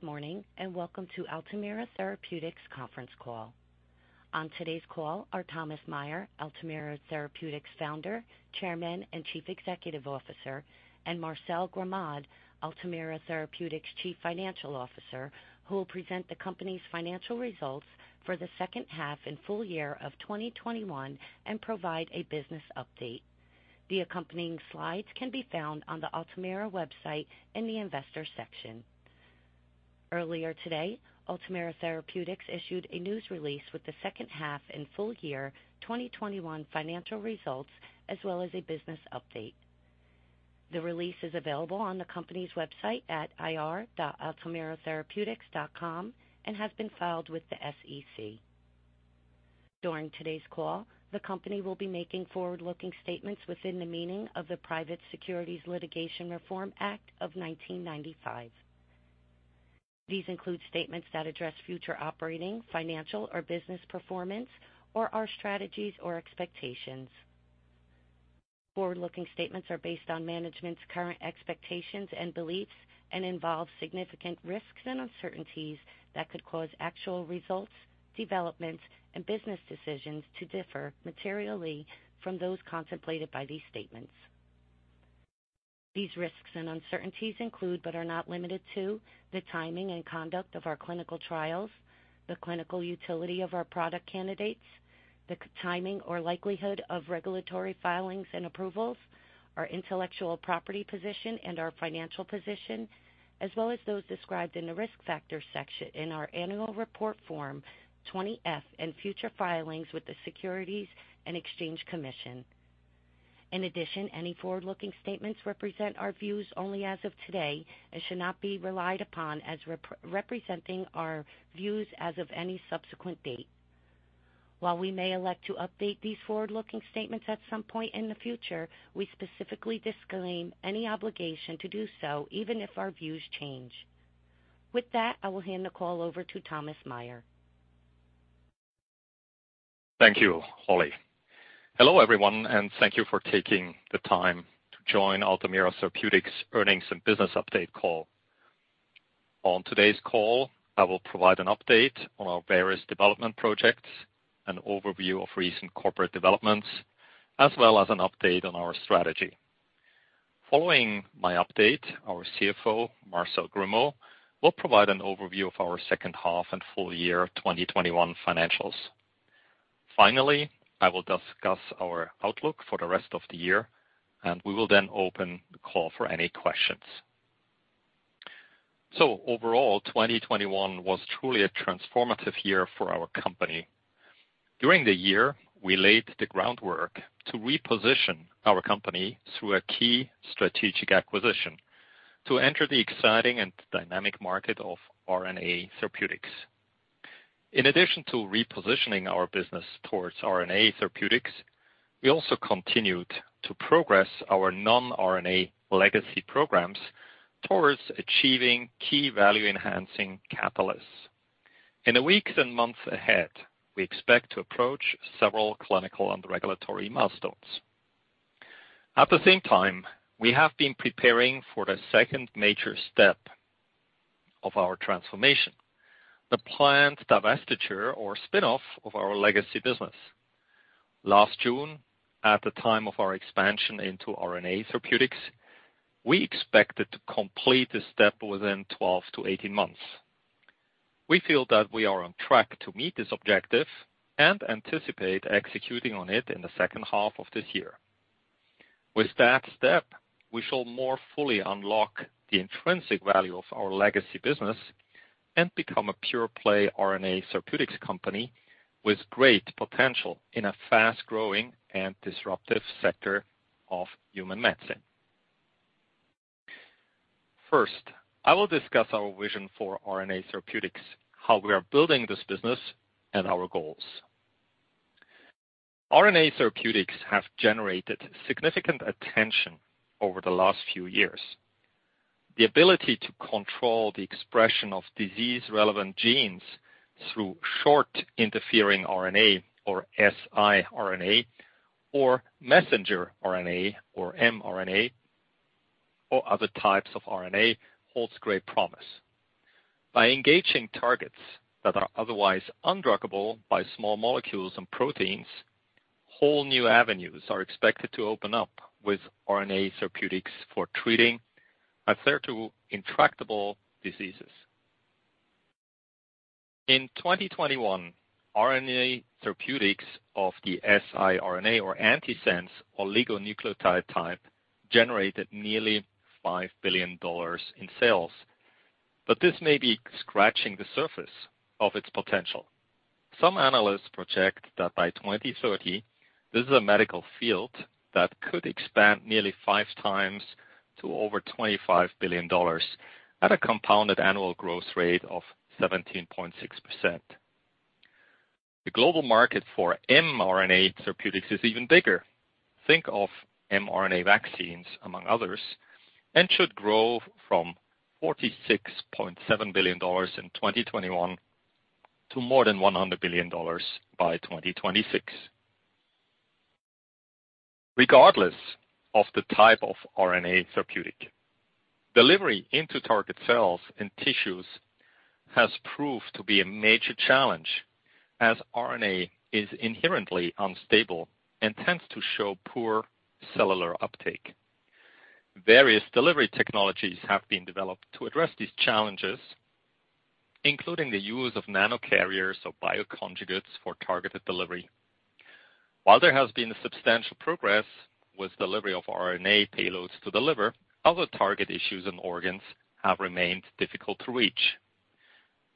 Good morning, and welcome to Altamira Therapeutics conference call. On today's call are Thomas Meyer, Altamira Therapeutics Founder, Chairman, and Chief Executive Officer, and Marcel Gremaud, Altamira Therapeutics Chief Financial Officer, who will present the company's financial results for the second half and full year of 2021 and provide a business update. The accompanying slides can be found on the Altamira website in the investor section. Earlier today, Altamira Therapeutics issued a news release with the second half and full year 2021 financial results, as well as a business update. The release is available on the company's website at ir.altamiratherapeutics.com and has been filed with the SEC. During today's call, the company will be making forward-looking statements within the meaning of the Private Securities Litigation Reform Act of 1995. These include statements that address future operating, financial, or business performance or our strategies or expectations. Forward-looking statements are based on management's current expectations and beliefs and involve significant risks and uncertainties that could cause actual results, developments, and business decisions to differ materially from those contemplated by these statements. These risks and uncertainties include, but are not limited to, the timing and conduct of our clinical trials, the clinical utility of our product candidates, the timing or likelihood of regulatory filings and approvals, our intellectual property position and our financial position, as well as those described in the Risk Factors section in our annual report form 20-F, and future filings with the Securities and Exchange Commission. In addition, any forward-looking statements represent our views only as of today and should not be relied upon as representing our views as of any subsequent date. While we may elect to update these forward-looking statements at some point in the future, we specifically disclaim any obligation to do so, even if our views change. With that, I will hand the call over to Thomas Meyer. Thank you, Holly. Hello, everyone, and thank you for taking the time to join Altamira Therapeutics earnings and business update call. On today's call, I will provide an update on our various development projects, an overview of recent corporate developments, as well as an update on our strategy. Following my update, our CFO, Marcel Gremaud, will provide an overview of our second half and full year 2021 financials. Finally, I will discuss our outlook for the rest of the year, and we will then open the call for any questions. Overall, 2021 was truly a transformative year for our company. During the year, we laid the groundwork to reposition our company through a key strategic acquisition to enter the exciting and dynamic market of RNA therapeutics. In addition to repositioning our business towards RNA therapeutics, we also continued to progress our non-RNA legacy programs towards achieving key value-enhancing catalysts. In the weeks and months ahead, we expect to approach several clinical and regulatory milestones. At the same time, we have been preparing for the second major step of our transformation, the planned divestiture or spin-off of our legacy business. Last June, at the time of our expansion into RNA therapeutics, we expected to complete this step within 12-18 months. We feel that we are on track to meet this objective and anticipate executing on it in the second half of this year. With that step, we shall more fully unlock the intrinsic value of our legacy business and become a pure-play RNA therapeutics company with great potential in a fast-growing and disruptive sector of human medicine. First, I will discuss our vision for RNA therapeutics, how we are building this business, and our goals. RNA therapeutics have generated significant attention over the last few years. The ability to control the expression of disease-relevant genes through short interfering RNA or siRNA, or messenger RNA or mRNA, or other types of RNA, holds great promise. By engaging targets that are otherwise undruggable by small molecules and proteins, whole new avenues are expected to open up with RNA therapeutics for treating acute to intractable diseases. In 2021, RNA therapeutics of the siRNA or antisense oligonucleotide type generated nearly $5 billion in sales, but this may be scratching the surface of its potential. Some analysts project that by 2030, this is a medical field that could expand nearly 5x to over $25 billion at a compounded annual growth rate of 17.6%. The global market for mRNA therapeutics is even bigger. Think of mRNA vaccines, among others, and should grow from $46.7 billion in 2021 to more than $100 billion by 2026. Regardless of the type of RNA therapeutic, delivery into target cells and tissues has proved to be a major challenge, as RNA is inherently unstable and tends to show poor cellular uptake. Various delivery technologies have been developed to address these challenges, including the use of nanocarriers or bioconjugates for targeted delivery. While there has been substantial progress with delivery of RNA payloads to the liver, other target tissues and organs have remained difficult to reach.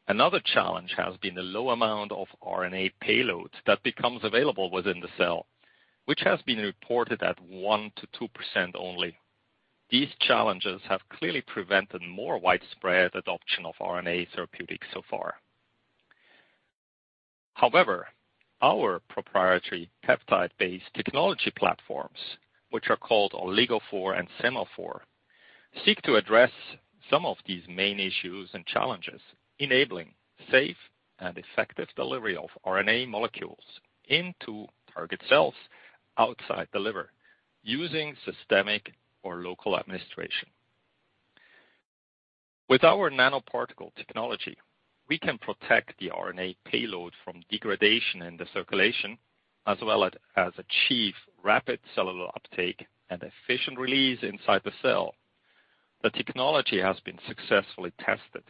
Another challenge has been the low amount of RNA payload that becomes available within the cell, which has been reported at 1%-2% only. These challenges have clearly prevented more widespread adoption of RNA therapeutics so far. However, our proprietary peptide-based technology platforms, which are called OligoPhore and SemaPhore, seek to address some of these main issues and challenges, enabling safe and effective delivery of RNA molecules into target cells outside the liver using systemic or local administration. With our nanoparticle technology, we can protect the RNA payload from degradation in the circulation, as well as achieve rapid cellular uptake and efficient release inside the cell. The technology has been successfully tested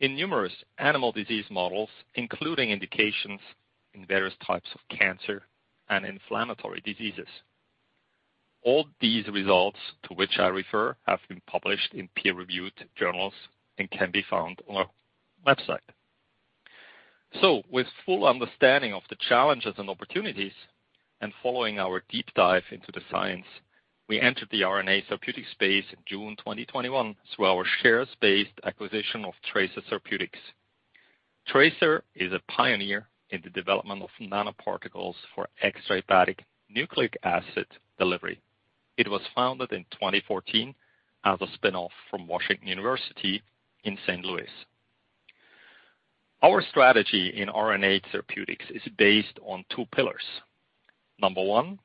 in numerous animal disease models, including indications in various types of cancer and inflammatory diseases. All these results to which I refer have been published in peer-reviewed journals and can be found on our website. With full understanding of the challenges and opportunities, and following our deep dive into the science, we entered the RNA therapeutic space in June 2021 through our shares-based acquisition of Trasir Therapeutics. Trasir Therapeutics is a pioneer in the development of nanoparticles for extrahepatic nucleic acid delivery. It was founded in 2014 as a spinoff from Washington University in St. Louis. Our strategy in RNA therapeutics is based on two pillars. Number one,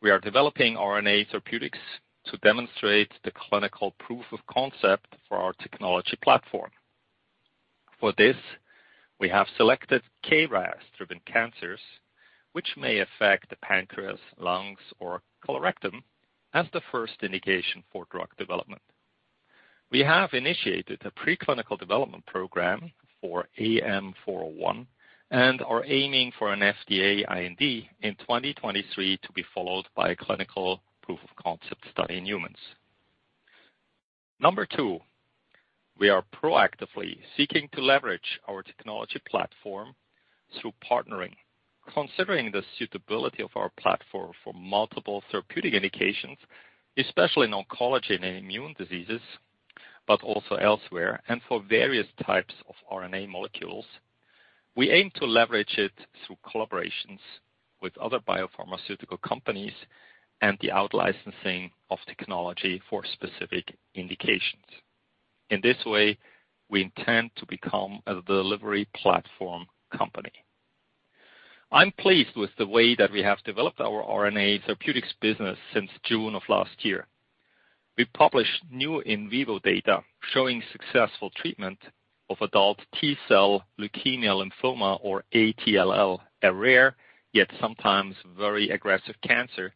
we are developing RNA therapeutics to demonstrate the clinical proof of concept for our technology platform. For this, we have selected KRAS-driven cancers, which may affect the pancreas, lungs, or colorectum, as the first indication for drug development. We have initiated a preclinical development program for AM-401 and are aiming for an FDA IND in 2023 to be followed by a clinical proof of concept study in humans. Number two, we are proactively seeking to leverage our technology platform through partnering. Considering the suitability of our platform for multiple therapeutic indications, especially in oncology and immune diseases, but also elsewhere, and for various types of RNA molecules, we aim to leverage it through collaborations with other biopharmaceutical companies and the out-licensing of technology for specific indications. In this way, we intend to become a delivery platform company. I'm pleased with the way that we have developed our RNA therapeutics business since June of last year. We published new in vivo data showing successful treatment of adult T-cell leukemia lymphoma or ATLL, a rare yet sometimes very aggressive cancer,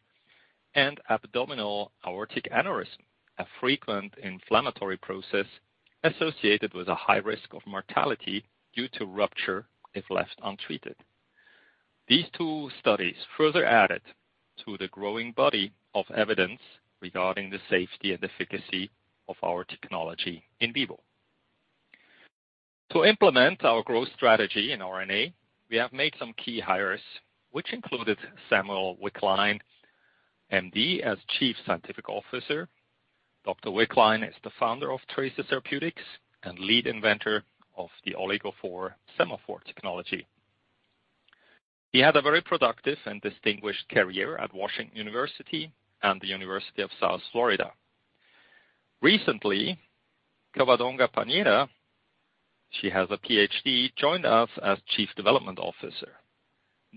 and abdominal aortic aneurysm, a frequent inflammatory process associated with a high risk of mortality due to rupture if left untreated. These two studies further added to the growing body of evidence regarding the safety and efficacy of our technology in vivo. To implement our growth strategy in RNA, we have made some key hires, which included Samuel Wickline, MD, as Chief Scientific Officer. Dr. Wickline is the founder of Trasir Therapeutics and lead inventor of the OligoPhore SemaPhore technology. He had a very productive and distinguished career at Washington University and the University of South Florida. Recently, Covadonga Pañeda, she has a PhD, joined us as Chief Development Officer.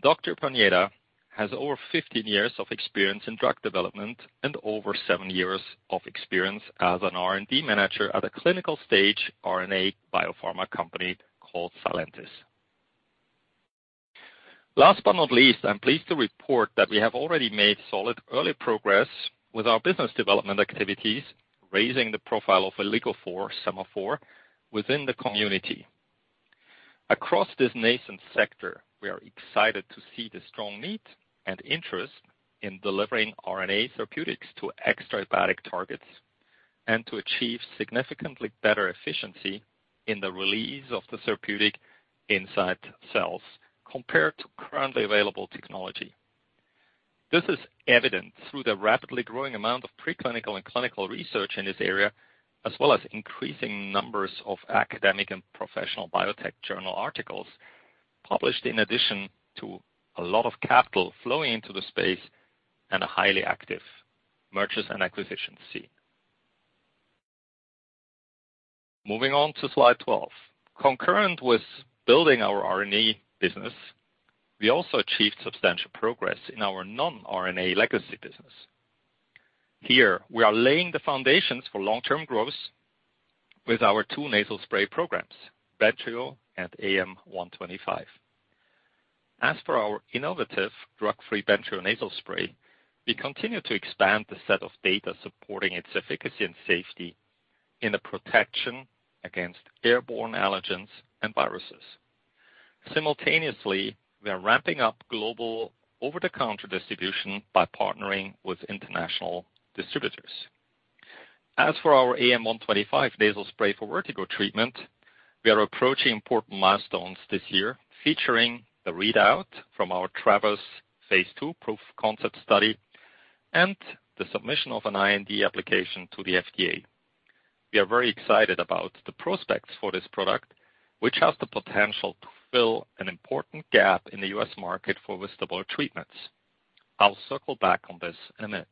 Dr. Pañeda has over 15 years of experience in drug development and over seven years of experience as an R&D manager at a clinical-stage RNA biopharma company called Silence Therapeutics. Last but not least, I'm pleased to report that we have already made solid early progress with our business development activities, raising the profile of OligoPhore SemaPhore within the community. Across this nascent sector, we are excited to see the strong need and interest in delivering RNA therapeutics to extrahepatic targets and to achieve significantly better efficiency in the release of the therapeutic inside cells compared to currently available technology. This is evident through the rapidly growing amount of preclinical and clinical research in this area, as well as increasing numbers of academic and professional biotech journal articles published in addition to a lot of capital flowing into the space and a highly active mergers and acquisition scene. Moving on to slide 12. Concurrent with building our RNA business, we also achieved substantial progress in our non-RNA legacy business. Here we are laying the foundations for long-term growth with our two nasal spray programs, Bentrio and AM-125. As for our innovative drug-free Bentrio nasal spray, we continue to expand the set of data supporting its efficacy and safety in the protection against airborne allergens and viruses. Simultaneously, we are ramping up global over-the-counter distribution by partnering with international distributors. As for our AM-125 nasal spray for vertigo treatment, we are approaching important milestones this year, featuring the readout from our TRAVERS phase II proof-of-concept study and the submission of an IND application to the FDA. We are very excited about the prospects for this product, which has the potential to fill an important gap in the U.S. market for vestibular treatments. I'll circle back on this in a minute.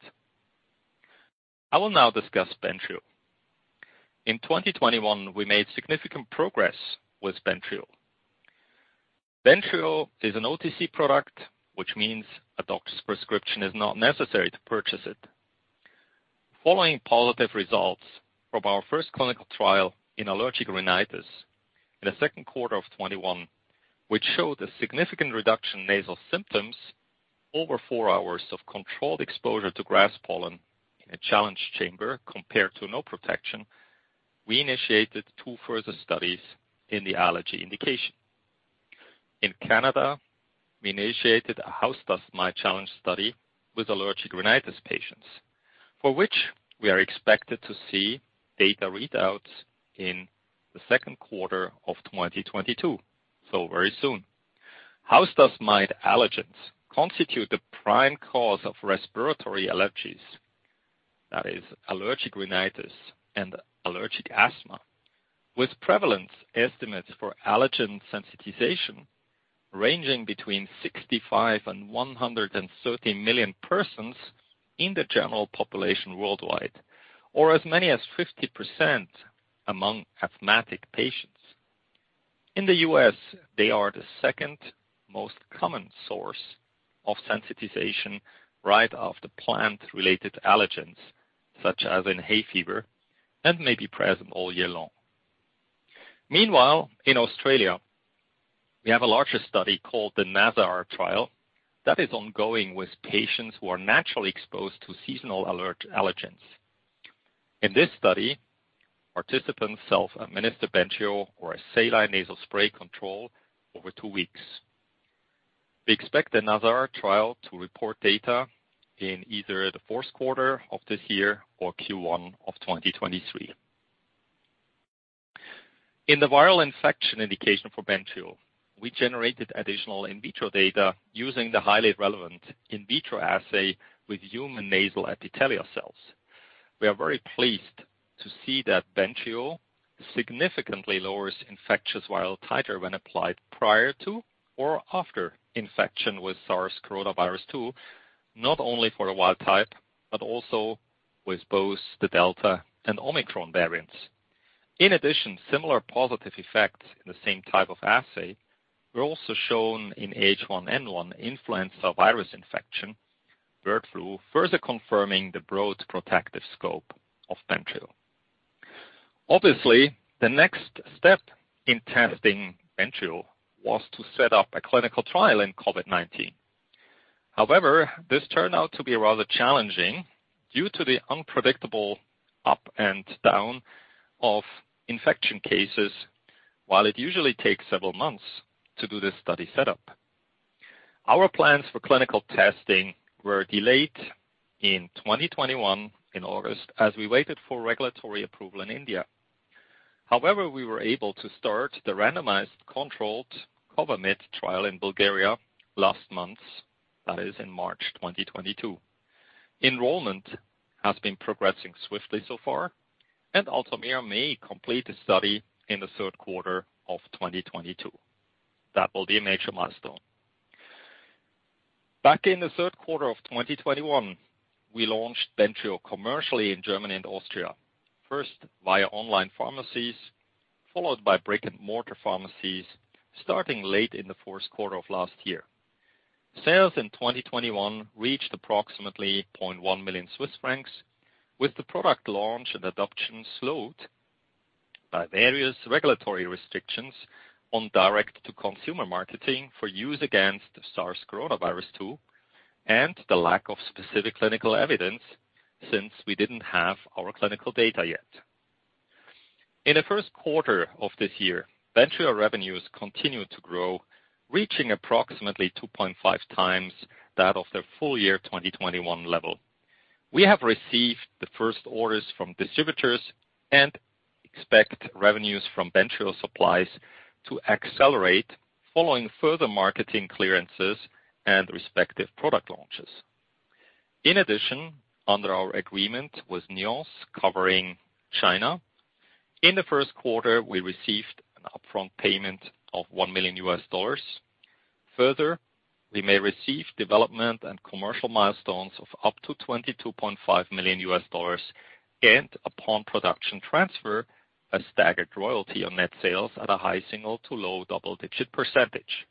I will now discuss Bentrio. In 2021, we made significant progress with Bentrio. Bentrio is an OTC product, which means a doctor's prescription is not necessary to purchase it. Following positive results from our first clinical trial in allergic rhinitis in the second quarter of 2021, which showed a significant reduction in nasal symptoms over four hours of controlled exposure to grass pollen in a challenge chamber compared to no protection, we initiated two further studies in the allergy indication. In Canada, we initiated a house dust mite challenge study with allergic rhinitis patients, for which we are expected to see data readouts in the second quarter of 2022. Very soon. House dust mite allergens constitute the prime cause of respiratory allergies, that is allergic rhinitis and allergic asthma, with prevalence estimates for allergen sensitization ranging between 65 million and 130 million persons in the general population worldwide, or as many as 50% among asthmatic patients. In the U.S., they are the second most common source of sensitization right after plant-related allergens, such as in hay fever, and may be present all year long. Meanwhile, in Australia, we have a larger study called the NASAR trial that is ongoing with patients who are naturally exposed to seasonal allergic allergens. In this study, participants self-administer Bentrio or a saline nasal spray control over two weeks. We expect the NASAR trial to report data in either the fourth quarter of this year or Q1 of 2023. In the viral infection indication for Bentrio, we generated additional in vitro data using the highly relevant in vitro assay with human nasal epithelial cells. We are very pleased to see that Bentrio significantly lowers infectious viral titer when applied prior to or after infection with SARS-CoV-2, not only for the wild type, but also with both the Delta and Omicron variants. In addition, similar positive effects in the same type of assay were also shown in H1N1 influenza virus infection, bird flu, further confirming the broad protective scope of Bentrio. Obviously, the next step in testing Bentrio was to set up a clinical trial in COVID-19. However, this turned out to be rather challenging due to the unpredictable ups and downs of infection cases. While it usually takes several months to do this study set up, our plans for clinical testing were delayed in 2021 in August as we waited for regulatory approval in India. However, we were able to start the randomized controlled COVAMID trial in Bulgaria last month, that is in March 2022. Enrollment has been progressing swiftly so far, and Altamira may complete the study in the third quarter of 2022. That will be a major milestone. Back in the third quarter of 2021, we launched Bentrio commercially in Germany and Austria, first via online pharmacies, followed by brick-and-mortar pharmacies starting late in the fourth quarter of last year. Sales in 2021 reached approximately 0.1 million Swiss francs, with the product launch and adoption slowed by various regulatory restrictions on direct-to-consumer marketing for use against the SARS-CoV-2 and the lack of specific clinical evidence since we didn't have our clinical data yet. In the first quarter of this year, Bentrio revenues continued to grow, reaching approximately 2.5x that of their full year 2021 level. We have received the first orders from distributors and expect revenues from Bentrio supplies to accelerate following further marketing clearances and respective product launches. In addition, under our agreement with Nuance covering China, in the first quarter, we received an upfront payment of $1 million. Further, we may receive development and commercial milestones of up to $22.5 million and upon production transfer, a staggered royalty on net sales at a high single-digit to low double-digit percentage.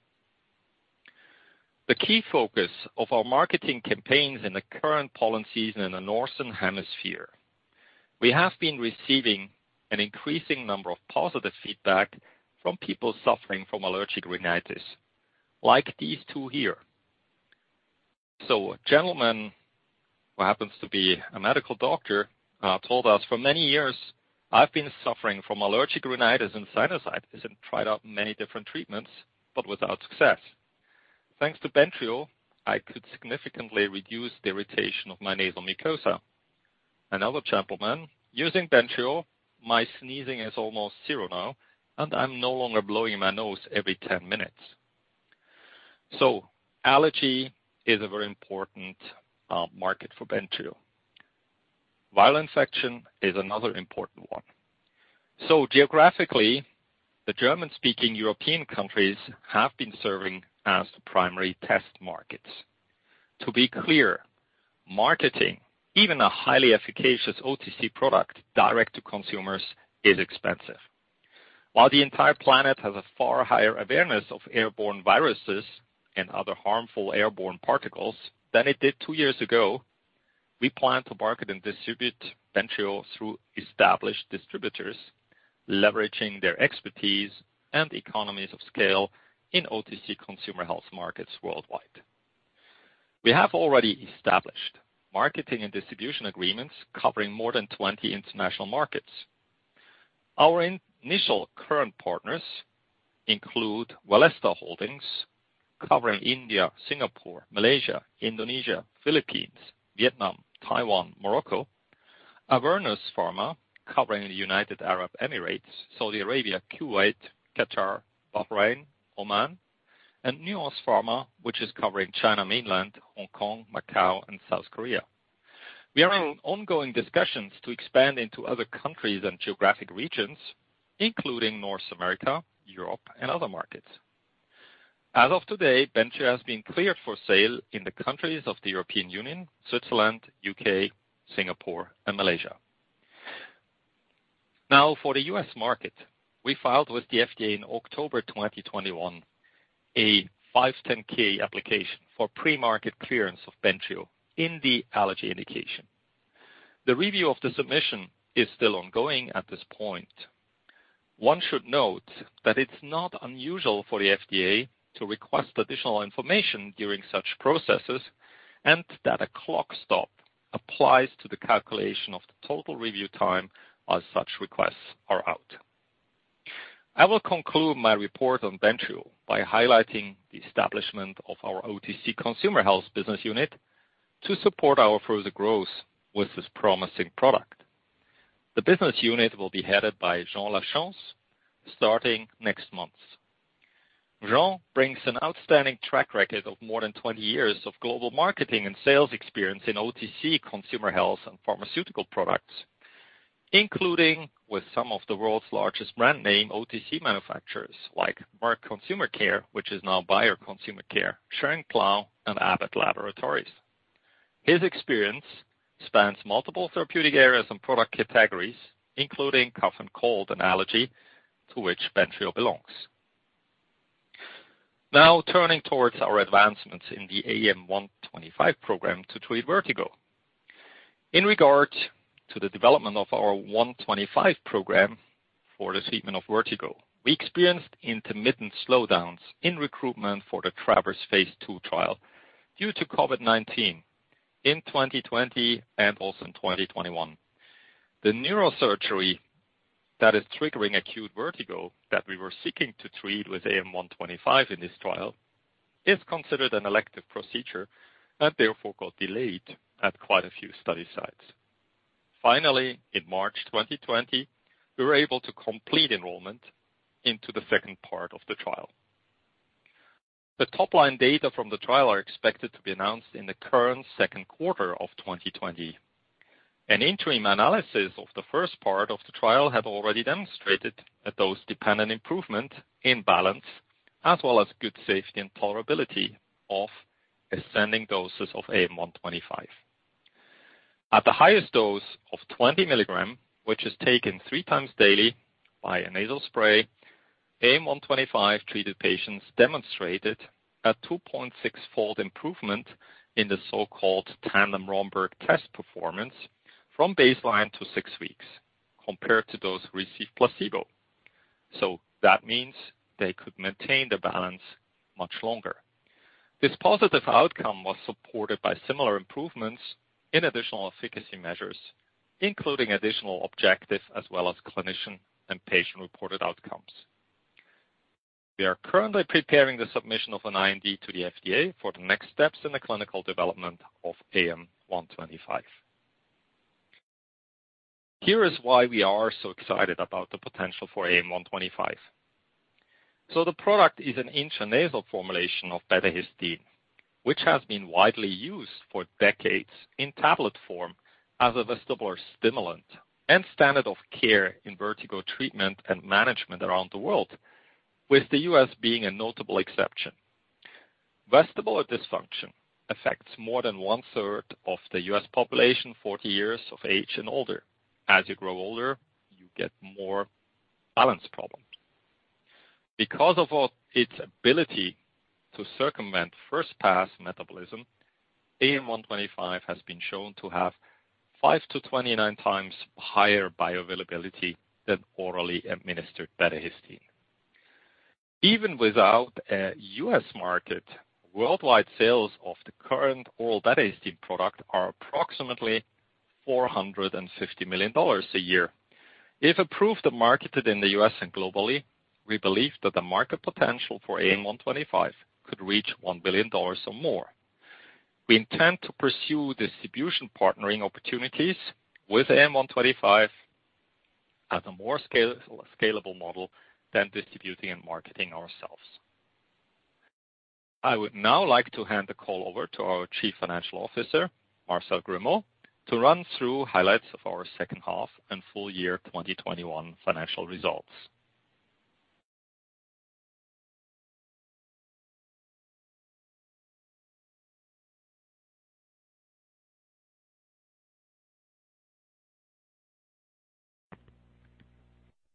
The key focus of our marketing campaigns in the current pollen season in the Northern Hemisphere, we have been receiving an increasing number of positive feedback from people suffering from allergic rhinitis, like these two here. A gentleman, who happens to be a medical doctor, told us, "For many years, I've been suffering from allergic rhinitis and sinusitis and tried out many different treatments, but without success. Thanks to Bentrio, I could significantly reduce the irritation of my nasal mucosa." Another gentleman, "Using Bentrio, my sneezing is almost zero now, and I'm no longer blowing my nose every 10 minutes." Allergy is a very important market for Bentrio. Viral infection is another important one. Geographically, the German-speaking European countries have been serving as the primary test markets. To be clear, marketing, even a highly efficacious OTC product direct to consumers, is expensive. While the entire planet has a far higher awareness of airborne viruses and other harmful airborne particles than it did two years ago, we plan to market and distribute Bentrio through established distributors, leveraging their expertise and economies of scale in OTC consumer health markets worldwide. We have already established marketing and distribution agreements covering more than 20 international markets. Our initial current partners include Wellesta Holdings, covering India, Singapore, Malaysia, Indonesia, Philippines, Vietnam, Taiwan, Morocco. Avernus Pharma, covering the United Arab Emirates, Saudi Arabia, Kuwait, Qatar, Bahrain, Oman. And Nuance Pharma, which is covering China Mainland, Hong Kong, Macau, and South Korea. We are in ongoing discussions to expand into other countries and geographic regions, including North America, Europe, and other markets. As of today, Bentrio has been cleared for sale in the countries of the European Union, Switzerland, U.K., Singapore, and Malaysia. Now, for the U.S. market, we filed with the FDA in October 2021, a 510(k) application for premarket clearance of Bentrio in the allergy indication. The review of the submission is still ongoing at this point. One should note that it's not unusual for the FDA to request additional information during such processes and that a clock stop applies to the calculation of the total review time as such requests are out. I will conclude my report on Bentrio by highlighting the establishment of our OTC Consumer Health Business Unit to support our further growth with this promising product. The business unit will be headed by Jean Lachance starting next month. Jean brings an outstanding track record of more than 20 years of global marketing and sales experience in OTC consumer health and pharmaceutical products, including with some of the world's largest brand name OTC manufacturers like Merck Consumer Care, which is now Bayer Consumer Care, Schering-Plough, and Abbott Laboratories. His experience spans multiple therapeutic areas and product categories, including cough and cold and allergy to which Bentrio belongs. Now turning towards our advancements in the AM-125 program to treat vertigo. In regard to the development of our 125 program for the treatment of vertigo, we experienced intermittent slowdowns in recruitment for the TRAVERS phase II trial due to COVID-19 in 2020 and also in 2021. The neurosurgery that is triggering acute vertigo that we were seeking to treat with AM-125 in this trial is considered an elective procedure and therefore got delayed at quite a few study sites. Finally, in March 2020, we were able to complete enrollment into the second part of the trial. The top-line data from the trial are expected to be announced in the current second quarter of 2020. An interim analysis of the first part of the trial have already demonstrated a dose-dependent improvement in balance, as well as good safety and tolerability of ascending doses of AM-125. At the highest dose of 20 mg, which is taken three times daily by a nasal spray, AM-125 treated patients demonstrated a 2.6-fold improvement in the so-called Tandem Romberg test performance from baseline to six weeks compared to those who received placebo. That means they could maintain their balance much longer. This positive outcome was supported by similar improvements in additional efficacy measures, including additional objectives as well as clinician and patient-reported outcomes. We are currently preparing the submission of an IND to the FDA for the next steps in the clinical development of AM-125. Here is why we are so excited about the potential for AM-125. The product is an intranasal formulation of betahistine, which has been widely used for decades in tablet form as a vestibular stimulant and standard of care in vertigo treatment and management around the world, with the U.S. being a notable exception. Vestibular dysfunction affects more than 1/3 of the U.S. population 40 years of age and older. As you grow older, you get more balance problems. Because of its ability to circumvent first-pass metabolism, AM-125 has been shown to have 5x-29x higher bioavailability than orally administered betahistine. Even without a U.S. market, worldwide sales of the current oral betahistine product are approximately $450 million a year. If approved and marketed in the U.S. and globally, we believe that the market potential for AM-125 could reach $1 billion or more. We intend to pursue distribution partnering opportunities with AM-125 as a more scalable model than distributing and marketing ourselves. I would now like to hand the call over to our Chief Financial Officer, Marcel Gremaud, to run through highlights of our second half and full year 2021 financial results.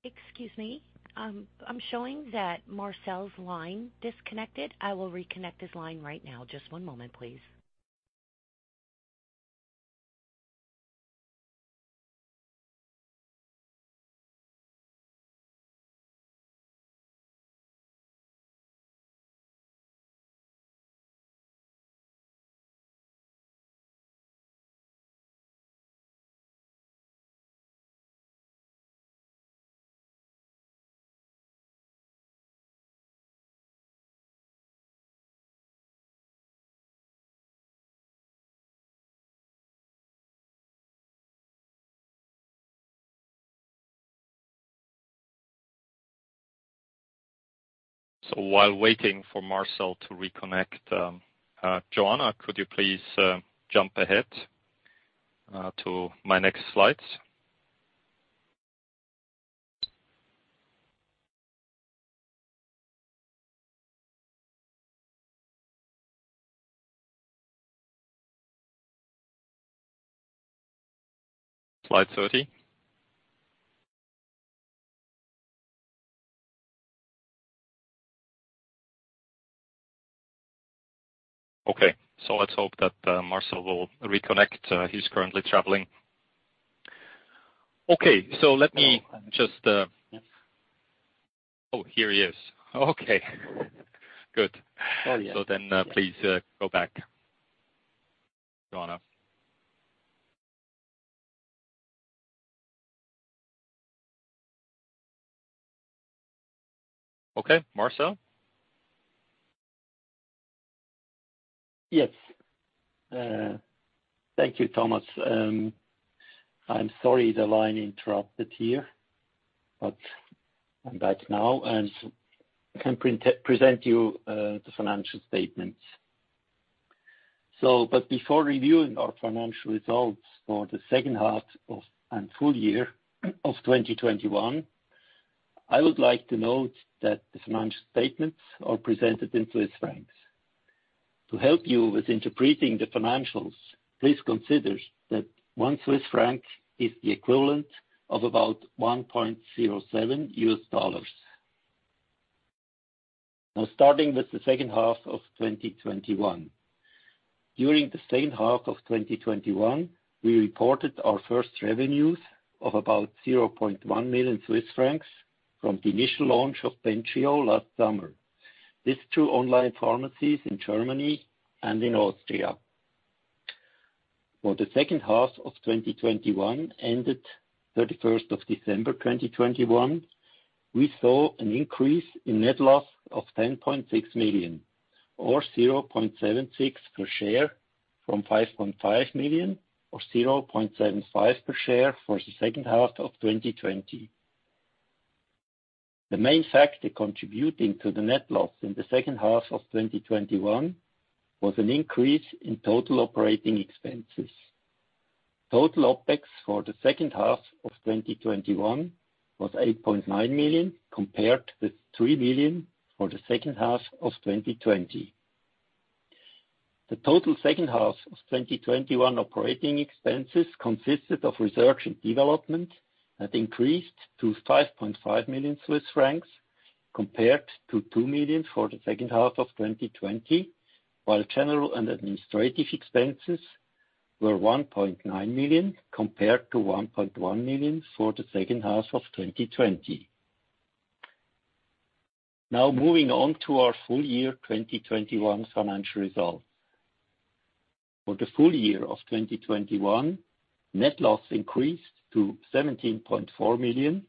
Excuse me. I'm showing that Marcel's line disconnected. I will reconnect his line right now. Just one moment, please. While waiting for Marcel to reconnect, Joanna, could you please jump ahead to my next slides? Slide 30. Okay, let's hope that Marcel will reconnect. He's currently traveling. Okay. Let me just. Oh, here he is. Okay. Good. Oh, yeah. Please, go back, Joanna. Okay, Marcel. Yes. Thank you, Thomas. I'm sorry the line interrupted here, but I'm back now and can present you the financial statements. Before reviewing our financial results for the second half and full year of 2021, I would like to note that the financial statements are presented in Swiss francs. To help you with interpreting the financials, please consider that one Swiss franc is the equivalent of about $1.07. Starting with the second half of 2021. During the same half of 2021, we reported our first revenues of about 0.1 million Swiss francs from the initial launch of Bentrio last summer. In two online pharmacies in Germany and in Austria. For the second half of 2021 ended December 31st, 2021, we saw an increase in net loss of 10.6 million or 0.76 per share from 5.5 million or 0.75 per share for the second half of 2020. The main factor contributing to the net loss in the second half of 2021 was an increase in total operating expenses. Total OpEx for the second half of 2021 was 8.9 million, compared with 3 million for the second half of 2020. The total second half of 2021 operating expenses consisted of research and development that increased to 5.5 million Swiss francs compared to 2 million for the second half of 2020. While general and administrative expenses were 1.9 million compared to 1.1 million for the second half of 2020. Now moving on to our full year 2021 financial results. For the full year of 2021, net loss increased to 17.4 million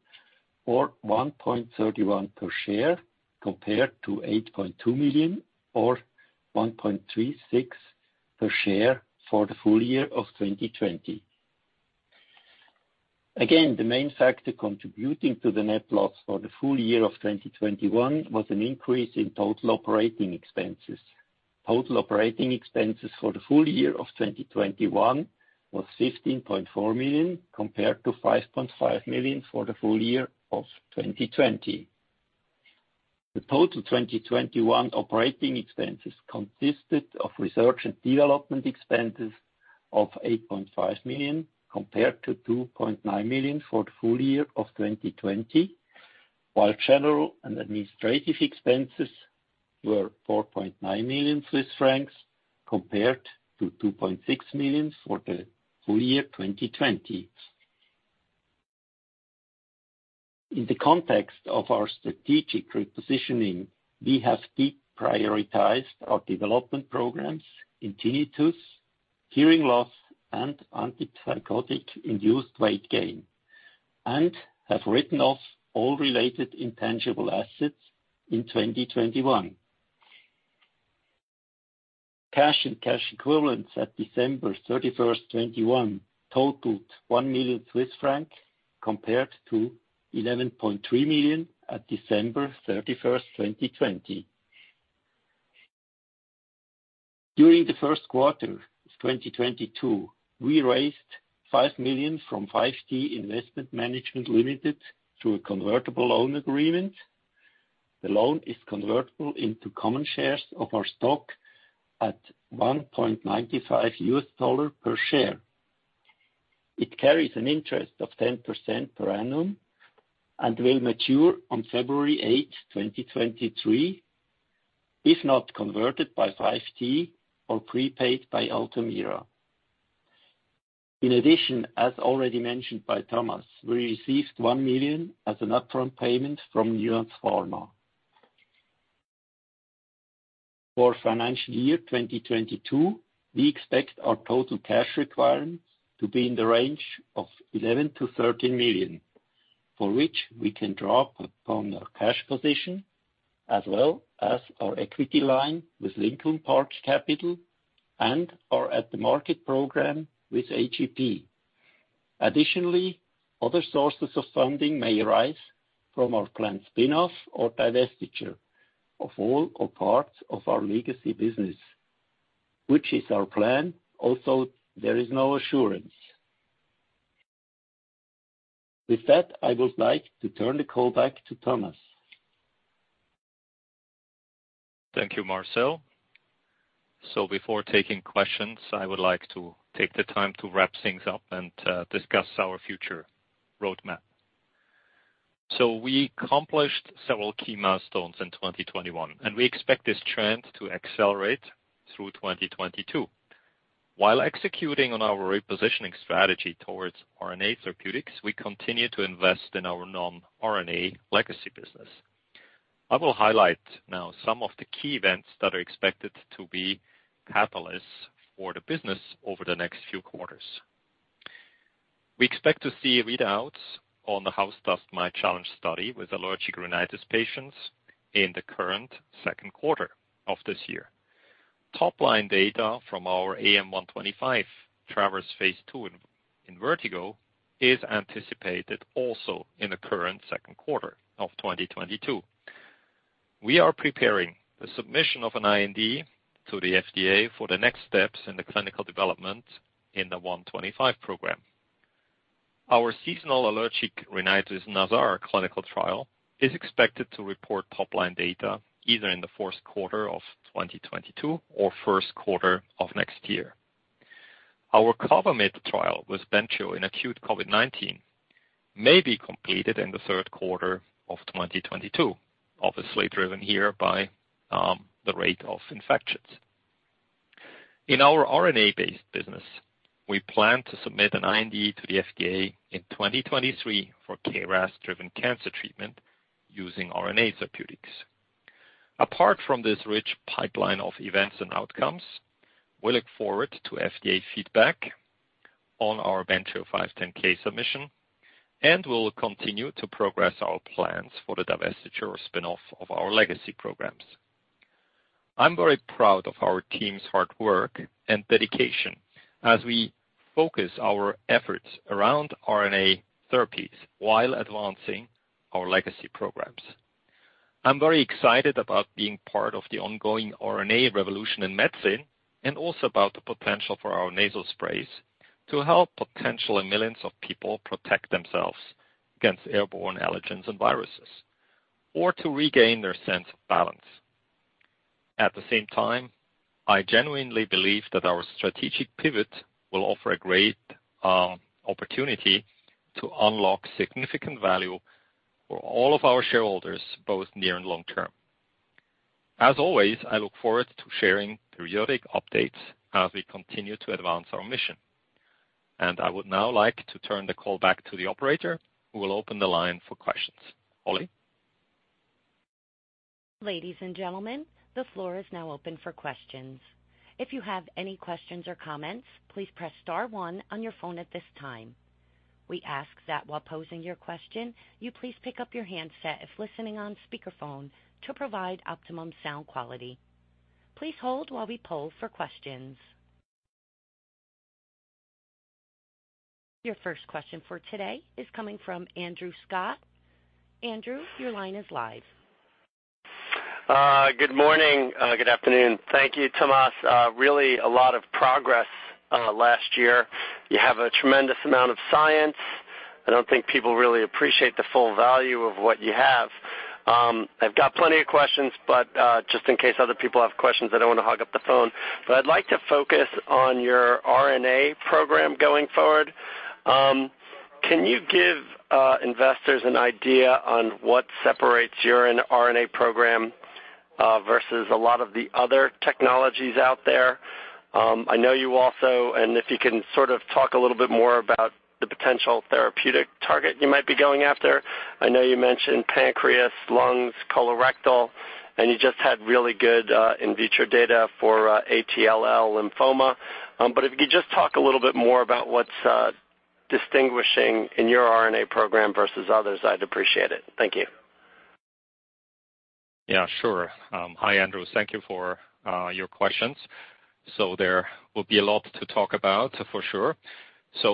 or 1.31 per share compared to 8.2 million or 1.36 per share for the full year of 2020. Again, the main factor contributing to the net loss for the full year of 2021 was an increase in total operating expenses. Total operating expenses for the full year of 2021 was 15.4 million, compared to 5.5 million for the full year of 2020. The total 2021 operating expenses consisted of research and development expenses of 8.5 million, compared to 2.9 million for the full year of 2020, while general and administrative expenses were 4.9 million Swiss francs compared to 2.6 million for the full year 2020. In the context of our strategic repositioning, we have deprioritized our development programs in tinnitus, hearing loss, and antipsychotic-induced weight gain, and have written off all related intangible assets in 2021. Cash and cash equivalents at December 31st, 2021 totaled 1 million Swiss francs compared to 11.3 million at December 31st, 2020. During the first quarter of 2022, we raised 5 million from FiveT Investment Management Limited through a convertible loan agreement. The loan is convertible into common shares of our stock at $1.95 per share. It carries an interest of 10% per annum and will mature on February 8, 2023, if not converted by 5T or prepaid by Altamira. In addition, as already mentioned by Thomas, we received 1 million as an upfront payment from Neos Pharma. For financial year 2022, we expect our total cash requirements to be in the range of 11 million-13 million, for which we can draw upon our cash position as well as our equity line with Lincoln Park Capital and our at the market program with A.G.P. Additionally, other sources of funding may arise from our planned spin-off or divestiture of all or parts of our legacy business, which is our plan, although there is no assurance. With that, I would like to turn the call back to Thomas. Thank you, Marcel. Before taking questions, I would like to take the time to wrap things up and discuss our future roadmap. We accomplished several key milestones in 2021, and we expect this trend to accelerate through 2022. While executing on our repositioning strategy towards RNA therapeutics, we continue to invest in our non-RNA legacy business. I will highlight now some of the key events that are expected to be catalysts for the business over the next few quarters. We expect to see readouts on the house dust mite challenge study with allergic rhinitis patients in the current second quarter of this year. Top-line data from our AM-125 TRAVERS phase II in vertigo is anticipated also in the current second quarter of 2022. We are preparing the submission of an IND to the FDA for the next steps in the clinical development in the 125 program. Our seasonal allergic rhinitis NASAR clinical trial is expected to report top-line data either in the fourth quarter of 2022 or first quarter of next year. Our COVAMID trial with Bentrio in acute COVID-19 may be completed in the third quarter of 2022, obviously driven here by the rate of infections. In our RNA-based business, we plan to submit an IND to the FDA in 2023 for KRAS-driven cancer treatment using RNA therapeutics. Apart from this rich pipeline of events and outcomes, we look forward to FDA feedback on our Bentrio 510(k) submission, and we'll continue to progress our plans for the divestiture or spin-off of our legacy programs. I'm very proud of our team's hard work and dedication as we focus our efforts around RNA therapies while advancing our legacy programs. I'm very excited about being part of the ongoing RNA revolution in medicine and also about the potential for our nasal sprays to help potentially millions of people protect themselves against airborne allergens and viruses or to regain their sense of balance. At the same time, I genuinely believe that our strategic pivot will offer a great opportunity to unlock significant value for all of our shareholders, both near and long term. As always, I look forward to sharing periodic updates as we continue to advance our mission. I would now like to turn the call back to the operator, who will open the line for questions. Holly? Ladies and gentlemen, the floor is now open for questions. If you have any questions or comments, please press star one on your phone at this time. We ask that while posing your question, you please pick up your handset if listening on speakerphone to provide optimum sound quality. Please hold while we poll for questions. Your first question for today is coming from Andrew Scott. Andrew, your line is live. Good morning, good afternoon. Thank you, Thomas. Really a lot of progress last year. You have a tremendous amount of science. I don't think people really appreciate the full value of what you have. I've got plenty of questions, but just in case other people have questions, I don't wanna hog up the phone. But I'd like to focus on your RNA program going forward. Can you give investors an idea on what separates your RNA program versus a lot of the other technologies out there? I know you also. If you can sort of talk a little bit more about the potential therapeutic target you might be going after. I know you mentioned pancreas, lungs, colorectal, and you just had really good in vitro data for ATLL lymphoma. If you could just talk a little bit more about what's distinguishing in your RNA program versus others, I'd appreciate it. Thank you. Yeah, sure. Hi, Andrew. Thank you for your questions. There will be a lot to talk about for sure.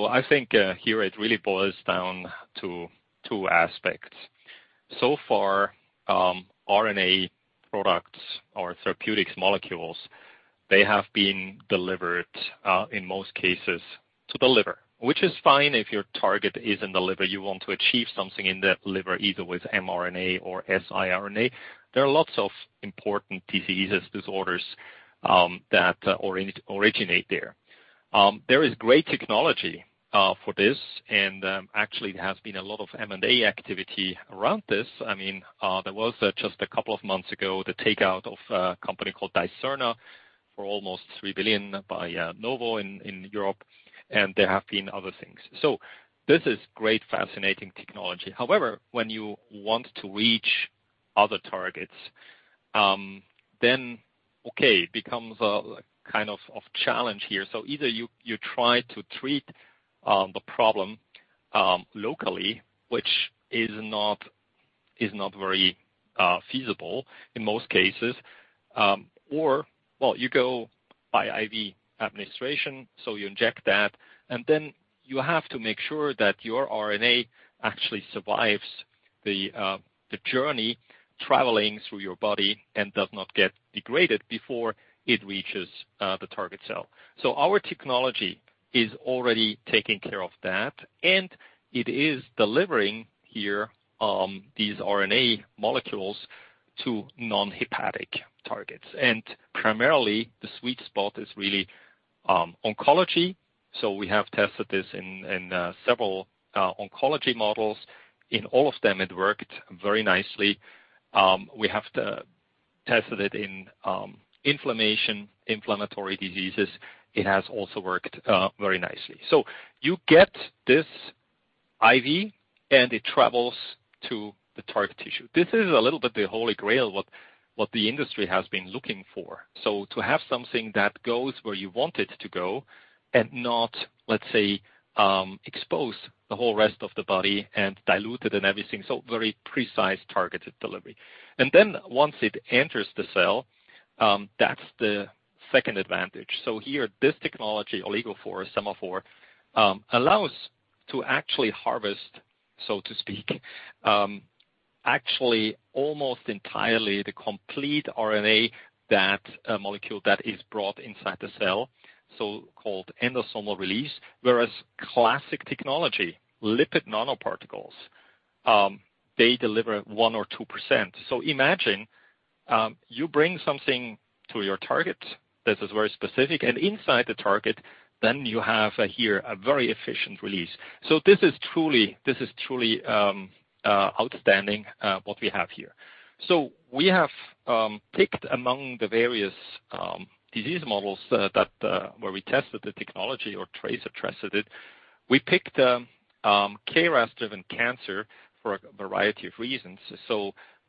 I think here it really boils down to two aspects. So far, RNA products or therapeutics molecules, they have been delivered in most cases to the liver, which is fine if your target is in the liver, you want to achieve something in the liver, either with mRNA or siRNA. There are lots of important diseases, disorders that originate there. There is great technology for this, and actually there has been a lot of M&A activity around this. I mean, there was just a couple of months ago, the takeout of a company called Dicerna for almost $3 billion by Novo in Europe, and there have been other things. This is great, fascinating technology. However, when you want to reach other targets, it becomes a kind of challenge here. Either you try to treat the problem locally, which is not very feasible in most cases, or you go by IV administration, so you inject that, and then you have to make sure that your RNA actually survives the journey traveling through your body and does not get degraded before it reaches the target cell. Our technology is already taking care of that, and it is delivering these RNA molecules to non-hepatic targets. Primarily the sweet spot is really oncology. We have tested this in several oncology models. In all of them, it worked very nicely. We have also tested it in inflammatory diseases. It has also worked very nicely. You get this IV and it travels to the target tissue. This is a little bit the Holy Grail, what the industry has been looking for. To have something that goes where you want it to go and not, let's say, expose the whole rest of the body and dilute it and everything, so very precise targeted delivery. Once it enters the cell, that's the second advantage. Here this technology, OligoPhore, SemaPhore, allows to actually harvest, so to speak, actually almost entirely the complete RNA that molecule that is brought inside the cell, so-called endosomal release. Whereas classic technology, lipid nanoparticles, they deliver 1% or 2%. Imagine you bring something to your target that is very specific, and inside the target then you have here a very efficient release. This is truly outstanding what we have here. We have picked among the various disease models that, where we tested the technology or Trasir Therapeutics. We picked KRAS-driven cancer for a variety of reasons.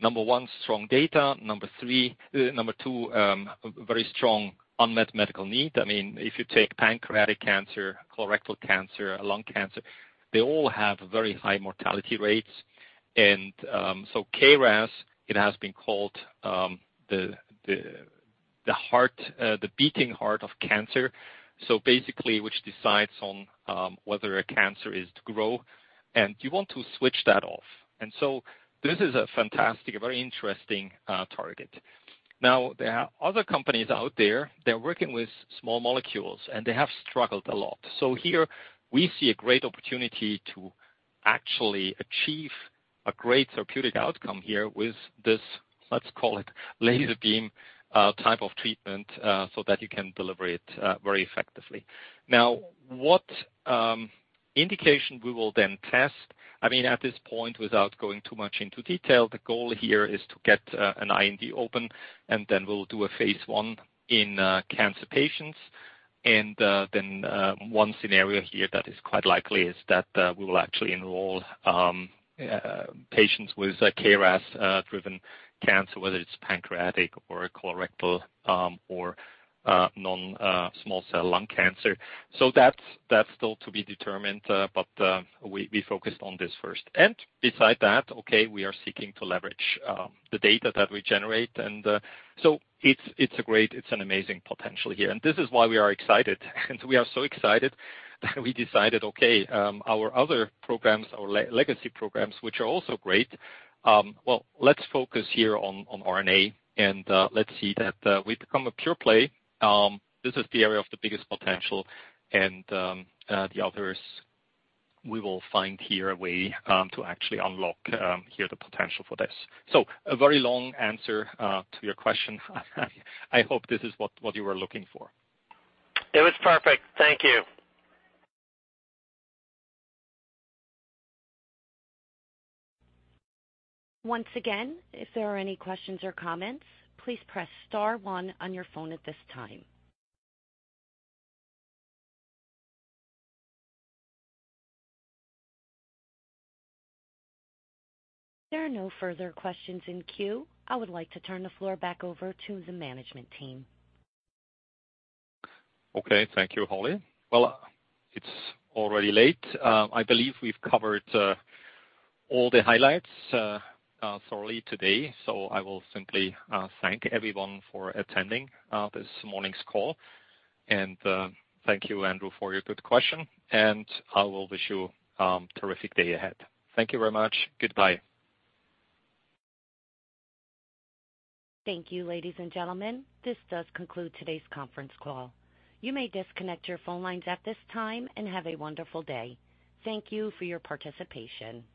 Number one, strong data. Number two, very strong unmet medical need. I mean, if you take pancreatic cancer, colorectal cancer, lung cancer, they all have very high mortality rates. KRAS, it has been called the beating heart of cancer. Basically, which decides on whether a cancer is to grow and you want to switch that off. This is a fantastic, a very interesting, target. Now, there are other companies out there, they're working with small molecules, and they have struggled a lot. Here we see a great opportunity to actually achieve a great therapeutic outcome here with this, let's call it laser beam, type of treatment, so that you can deliver it, very effectively. Now, what indication we will then test. I mean, at this point, without going too much into detail, the goal here is to get, an IND open and then we'll do a phase I in, cancer patients. Then, one scenario here that is quite likely is that, we will actually enroll, patients with KRAS, driven cancer, whether it's pancreatic or colorectal, or, non-small cell lung cancer. That's still to be determined, but we focused on this first. Besides that, okay, we are seeking to leverage the data that we generate and it's an amazing potential here. This is why we are excited. We are so excited that we decided, okay, our other programs, our legacy programs, which are also great, well, let's focus here on RNA, and let's see that we become a pure play. This is the area of the biggest potential and the others we will find here a way to actually unlock here the potential for this. A very long answer to your question. I hope this is what you were looking for. It was perfect. Thank you. Once again, if there are any questions or comments, please press star one on your phone at this time. There are no further questions in queue. I would like to turn the floor back over to the management team. Okay. Thank you, Holly. Well, it's already late. I believe we've covered all the highlights thoroughly today, so I will simply thank everyone for attending this morning's call. Thank you, Andrew, for your good question, and I will wish you terrific day ahead. Thank you very much. Goodbye. Thank you, ladies and gentlemen. This does conclude today's conference call. You may disconnect your phone lines at this time and have a wonderful day. Thank you for your participation.